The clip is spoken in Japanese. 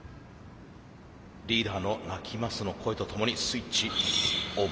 リーダーの「鳴きます」の声とともにスイッチオン。